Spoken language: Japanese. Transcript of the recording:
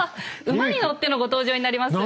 馬に乗ってのご登場になります。